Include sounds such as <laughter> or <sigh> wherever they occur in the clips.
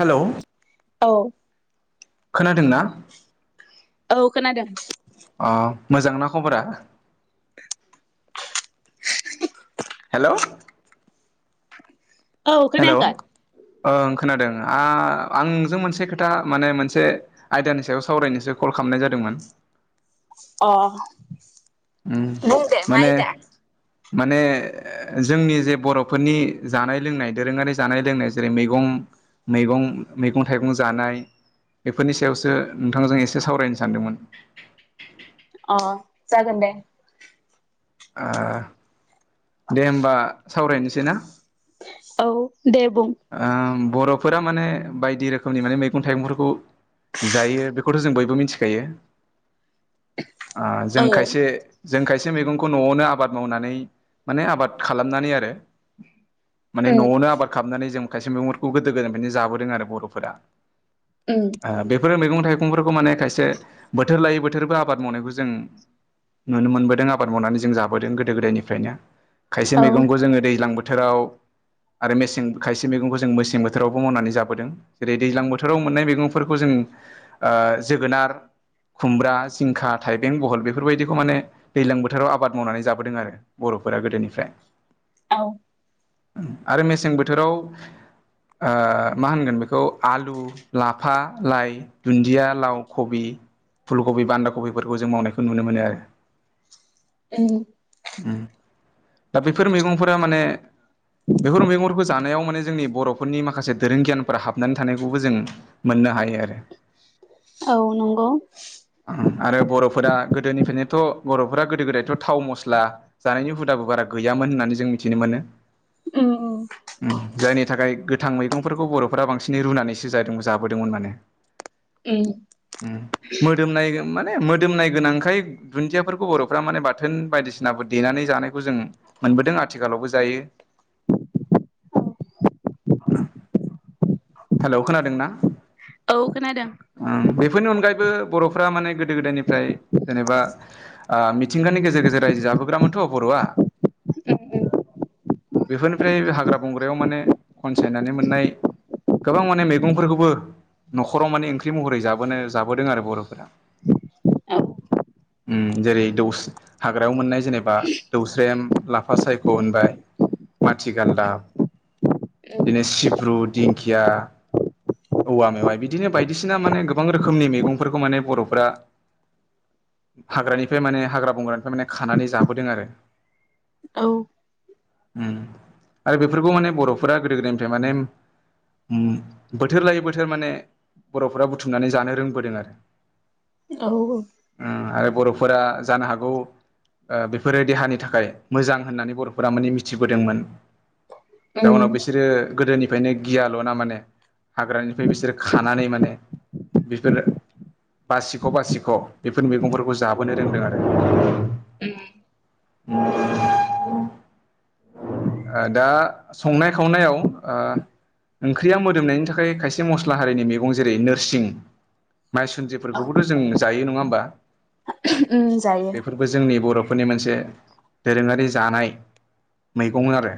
हेल' औ। खोनादोंना औ खोनादों अ' मोजांना खबरा हेलौ औ हेलौ खोनायाखै ओं खोनादों आ आंजों मोनसे खोथा माने मोनसे आयदानि सायाव सावरायनोसो कल खालाम। खालामनाय जादोंमोन। अ' उम बुं दे माने माइ दा? माने जोंनि जे बर'फोरनि जानाय लोंनाय दोरोङारि जानाय लोंनाय जेरै मेगं मैगं मैगं थाइगं जानाय बेफोरनि सायावसो नोंथांजों एसे सावरायनो सानदोंमोन। अ जागोन दे। ओ दे होमबा सावरायनोसै ना? औ दे बुं ओ बर'फोरा माने बायदि रोखोमनि माने मैगं थाइगंफोरखौ जायो बेखौथ' जों बयबो मिथिखायो। ओ औ जों खायसे जों खायसे मैगं खौ न'आवनो आबाद मावनानै माने आबाद खालामनानै आरो माने उम न'आवनो आबाद खालामनानै जों खायसे मैगंफोरखौ गोदो गोदायनिफ्रायनो जाबोदों आरो बर'फोरा। उम ओ बेफोर मैगं थाइगं फोरखौ माने खायसे बोथोर लायै बोथोरबो आबाद मावनायखौ जों नुनो मोनबोदों आबाद फोर मावनानै जों जाबोदों गोदो गोदायनिफ्रायनो खायसे औ मैगंखौ जोङो दैज्लां बोथोराव आरो मेसें खायसे मैगंखौ जों मेसें बोथोरावबो मावनानै जाबोदों जेरै दैज्लां बोथोराव मोननाय मैगंफोरखौ जोङो ओ जोगोनार खुमब्रा जिंखा थाइबें बहल बेफोरबायदिखौ माने दैलां बोथोराव आबाद मावनानै जाबोदों आरो बर'फोरा गोदोनिफ्राय। औ। आरो मेसें बोथोराव ओ मा होनगोन बेखौ आलु लाफा लाइ दुन्दिया लाव कबि फुल कबि बान्दा कबिफोरखौ जों मावनायखौ नुनो मोनो आरो। उम। उम दा बेफोर मैगंफोरा माने बेफोर मैगंफोरखौ जानायाव माने जोंनि बर'फोरनि माखासे दोरों गियानफोरा हाबनानै थानायखौबो जों मोननो हायो आरो। ओं आरो बर'फोरा गोदोनिफ्रायनोथ' बर' फ्रा गोदो गोदायथ' थाव मस्ला जानायनि हुदाबो बारा गैयामोन होननानै जों मिथिनो मोनो। उम उम जायनि नि थाखाय गोथां मैगंफोरखौ बर'फोरा बांसिनै रुनानैसो जादों जाबोदोंमोन माने। उम। मोदोमनाय माने मोदोमनाय गोनांखाय दुन्दियाफोरखौ बर' फोरा माने बाथोन बायदिसिनाबो देनानै जानायखौ जों मोनबोदों आथिखालावबो जायो <inaudible> ओं हेल' खोनादोंना? औ खोनादों ओम बेफोरनि अनगायैबो बर'फोरा माने गोदो गोदायनिफ्राय जेनेबा ओ मिथिंगानि गेजेर गेजेर रायजो जाबोग्रामोनथ' बर'आ। बेफोरनिफ्राय हाग्रा बंग्रायाव माने खनसायनानै मोननाय गोबां माने मैगंफोरखौबो न'खराव माने ओंख्रि महरै जाबोनो जाबोदों आरो बर'फोरा औ उम। जेरै दौस हाग्रायाव मोननाय जेनेबा दौस्रेम लाफा सायख' होनबाय माथिगालदाब बिदिनो सिब्रु दिंखिया औवा मेवाइ बिदिनो बायदिसिना माने गोबां रोखोमनि मैगंफोरखौ माने बर'फ्रा हाग्रानिफ्राय माने हाग्रा बंग्रानिफ्राय माने खानानै जाबोदों आरो। औ उम आरो बेफोरखौ माने बर'फोरा गोदो गोदायनिफ्राय माने उम बोथोर लायै बोथोर माने बर'फोरा बुथुमनानै जानो रोंबोदों आरो। औ। उम आरो बर'फोरा जानो हागौ ओ बेफोरो देहानि थाखाय मोजां होननानै बर'फोरा माने मिथिबोदोंमोन। उम जाउनाव बिसोरो गोदोनिफ्रायनो गियाल'ना माने हाग्रानिफ्राय बिसोर खानानै माने बेफोर बासिख' बासिख' बेफोर मैगंफोरखौ जाबोनो रोंदों आरो। <inaudible> <inaudible> दा संनाय खावनायाव ओ ओंख्रिया मोदोमनायनि थाखाय खायसे मस्ला हारिनि मैगं जेरै नोरसिं। माइ सुद्रिफोरखौबोथ' जों जायो नंङा होमबा? उम जायो बेफोरबो जोंनि बर'फोरनि मोनसे मोनसे दोरोंङारि जानाय मैगं आरो।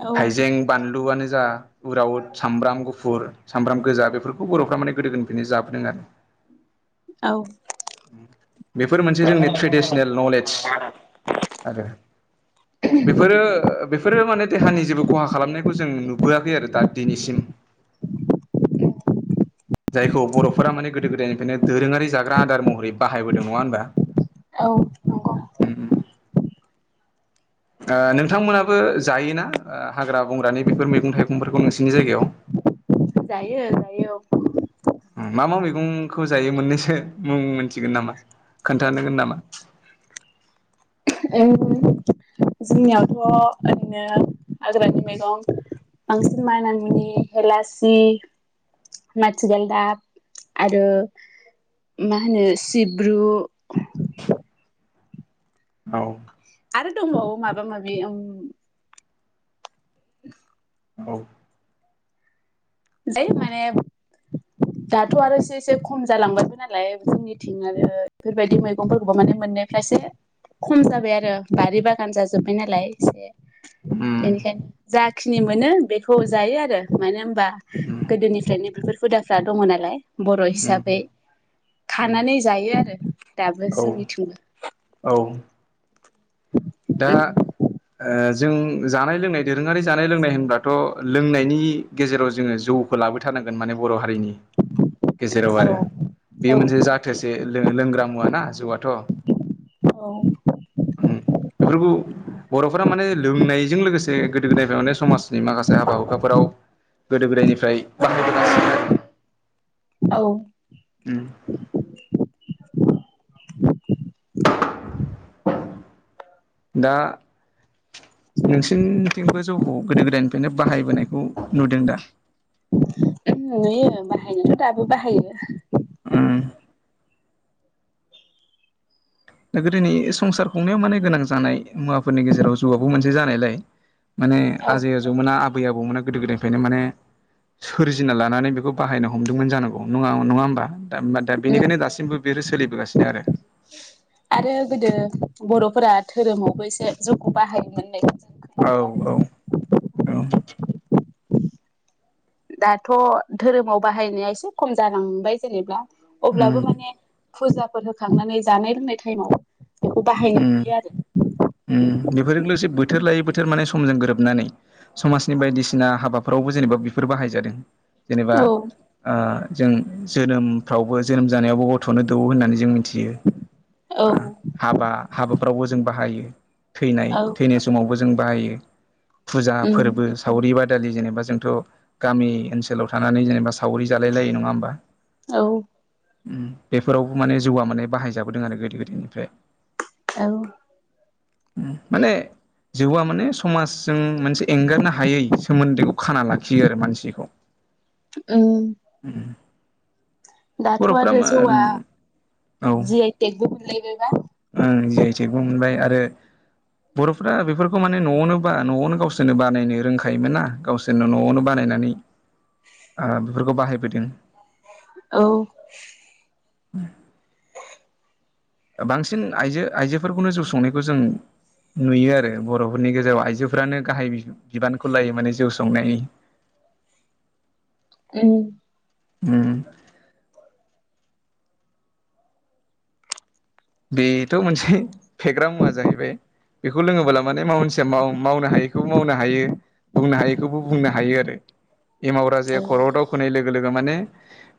औ औ हाइजें बानलुआनो गोजा उरावद सामब्राम गुफुर सामब्राम गोजा बेफोरखौ बर'फ्रा माने गोदो गोनिफ्रायनो जाबोदों आरो। <inaudible> औ। बेफोर मोनसे जोंनि ट्रेडिसनेल नलेज आरो। बेफोरो बेफोरो माने देहानि जेबो खहा खालामनायखौ जों नुबोआखै आरो दा दिनैसिम जायखौ बर'फोरा माने गोदो गोदायनि बिदिनो दोरोंङारि जाग्रा आदार महरै बाहायबोदों नंङा होनबा? औ मंग उम उम <unintelligible> <inaudible> नोंथांमोनाबो जायोना हाग्रा बंग्रानि बेफोर मैगं थाइगंफोरखौ नोंसिनि जायगायाव? <inaudible> जायो जायो। मा मा मैगंखौ जायो मोननैसो मुं मोनथिगोन नामा? खोन्थानांगोन नामा? जोंनियावथ' ओरैनो हाग्रानि मैगं बांसिन मानामुननि हेलासि माटिगालदाब आरो मा होनो सिब्रु औ। आरो दंबावो माबा माबि उम <inaudible> औ दे माने दाथ' आरो एसे एसे खम जालांबाय नालाय जोंनिथिं आरो बेफोरबायदि मैगंफोरखौबा माने मोननायफ्रासो खम जाबाय आरो बारि बागान जाजोब्बाय नालाय एसे। उम बेनिखायनो जाखिनि मोनो बेखौ जायो आरो मानो होमबा उम गोदोनिफ्रायनो बेफोर हुदाफ्रा दंङ नालाय बर' उम हिसाबै। उम खानानै जायो आरो दाबो औ जोंनिथिंबो औ औ दा जों जानाय लोंनाय दोरोंङारि जानाय लोंनाय होनब्लाथ' लोंनायनि गेजेराव जोंङो जौ खौ लाबोथारनांगोन माने बर' हारिनि गेजेराव आरो औ बेयो मोनसे जाथोसे लोंग्रा मुवा ना जौवा थ'। बर'फोरा माने लोंनायजों लोगोसे गोदो गोदायफ्राय माने समाजनि माखासे हाबा हुखाफोराव गोदो गोदायनिफ्राय बाहायासिनो। औ दा नोंसनिथिंबो जौखौ गोदो गोदायनिफ्रायनो बाहायबोनायखौ नुदों दा? <inaudible> नुयो बाहायनायाथ' दाबो बाहायो। <inaudible> गोदोनि संसार खुंनायाव माने गोनां जानाय मुवाफोरनि गेजेराव ज'आबो मोनसे जानायलाय माने औ आजै आजौमोना आबै आबौमोना गोदो गोदायनिफ्रायनो माने सोरजिना लानानै बेखौ बाहायनो हमदोंमोन जानांगौ नङा नङा होमबा दा होमा दा उम बेनिखायनो दासिमबो बिफोरो सोलिबोगासिनो आरो आरो गोदो बर'फोरा धोरोमावबो एसे जौखौ बाहायोमोन होननायखौ औ जों खोनायो आरो औ दाथ' धोरोमाव बाहायनाया एसे खम जालांबाय जेनेबा उम अब्लाबो माने फुजाफोर होखांनानै जानाय लोंनाय टाइमाव बेखौ बाहायनाय नुयो आरो बेफोर लोगोसे बोथोर लायै बोथोर माने समजों गोरोबनानै समाजनि बायदिसिना हाबाफोरावबो जेनेबा बेफोर बाहायजादों जेनेबा आरो जों जोनोमफ्रावबो जोनोम जानायावबो गथ'नो दौवो होननानै जों मिथि औ मिथियो हाबाफ्रावबो जों बाहायो थैनाय औ थैनाय समावबो जों बाहायो। फुजा उम फोरबो सावरि बादि आजि खालि जेनेबा जोंथ' गामि ओनसोलाव थानानै जेनेबा सावरि जालाय लायो नङा होमबा औ बेफोरावबो माने जौआ माने बाहायजाबोदों आरो गोदो गोदायनिफ्राय औ माने जौआ माने समाजजों मोनसे एंगारनो हायै सोमोन्दोखौ खाना लाखियो आरो मानसिखौ <inaudible> औ दाथ' बर'फ्रा आरो मा जौआ औ जि आइ टेकबो मोनलायबायबा जियाथेकबो मोनबाय आरो बर'फ्रा बेफोरखौ माने न'आवनो बा न'आवनो गावसोरनो बानायनो रोंखायोमोन ना गावसोरनो न'आवनो बानाय नायनानै बेफोरखौ बाहायबोदों। औ <inaudible> बांसिन आइजो आइजोफोरखौनो जौ संनायखौ जों नुयो आरो बर'फोरनि गेजेराव आइजोफ्रानो गाहाय बिबानखौ लायो माने जौ संनायनि <inaudible> उम। उम। बेथ' मोनसे फेग्रा मुवा जाहैबाय बेखौ लोङोब्ला माने मनसिया। मावनो हायैखौबो मावनो हायो बुंनो हायैखौबो बुंनो हायो आरो। एमावग जाया औ खर' दाव खोनाय लोगो लोगो माने।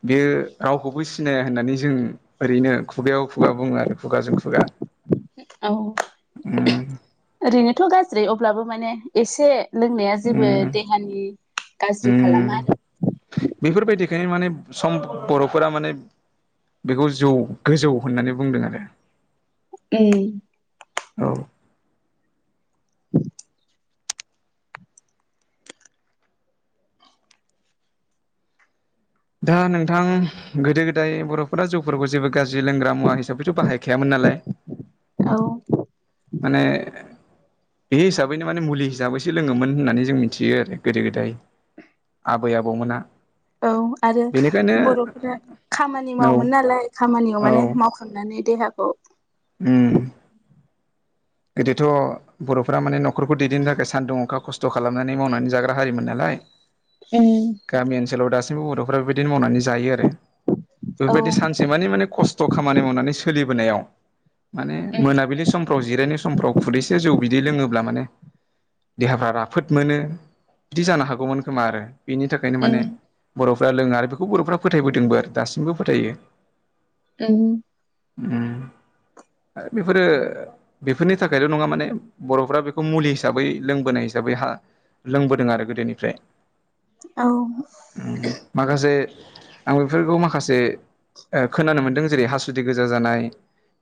बेयो रावखौबो सिनाया होननानै जों ओरैनो खुगायाव खुगा। बुङो आरो खुगाजों खुगा औ उम ओरैनोथ' गाज्रि अब्लाबो। माने एसे लोंनाया जेबो उम देहानि गाज्रि खालामा आरो बेफोर बायदिखायनो माने सम बर'फोरा माने बेखौ जौ गोजौ होननानै बुंदों आरो उम औ दा नोंथां गोदो गोदाय बर'फोरा जौफोरखौ जेबो गाज्रि लोंग्रा मुवा हिसाबैथ' बाहायखायामोन ना नालाय औ माने बे हिसाबैनो माने मुलि हिसाबैसो लोङोमोन होन्नानै जों मिथियो आरो गोदो गोदाय आबै आबौमोना औ आरो बेनिखायनो बर'फोरा खामानि औ मावोमोन नालाय खामानियाव औ माने मावखांनानै देहाखौ उम। गोदोथ' बर'फ्रा माने न'खरखौ दैदेननो थाखाय सान्दुं अखा खस्थ' खस्थ' खालामनानै मावनानै जाग्रा हारिमोन नालाय गामि ओनसोलाव दास बर'फ्रा बेबादिनो मावनानै जायो आरो औ बेफोरबायदि सानसे मानि माने खस्थ' खामानि मावनानै सोलि बोनायाव माने मोनाबिलि समफ्राव जिरायनाय समफ्राव खुरैसे जौ बिदै लोङोब्ला माने देहाफ्रा राफोद मोनो बिदि जानो हागौमोन खोमा आरो। बेनि थाखायनो माने बर'फ्रा लोङो आरो बेखौ बर'फ्रा फोथायबोदोंबो आरो दासिमबो फोथायो। औ। ओम ए बेफोरो बेफोरनि थाखायल' नङा माने बर'फ्रा बेखौ मुलि हिसाबै लोंबोनाय हिसाबै हा लोंबोदों आरो गोदोनिफ्राय। औ। माखासे आं बेफोरखौ माखासे ओ खोनानो मोन्दों जेरै हासुदि गोजा जानाय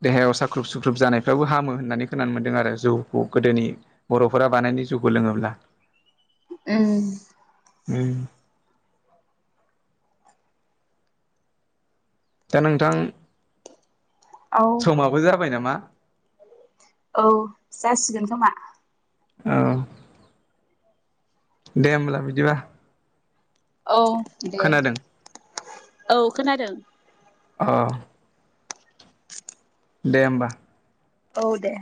देहायाव साख्रुब सुख्रुब जानायफ्राबो हामो होन होननानै खोनानो मोन्दों आरो जौखौ गोदोनि बर'फोरा बानायनाय जौखौ लोङोब्ला। उम। उम। दा नोंथां औ समाबो जाबाय नामा? औ जासिगोन खोमा। औ दे होमब्ला बिदिबा। औ दे खोनादों औ खोनादों। अ। दे होमबा। औ दे।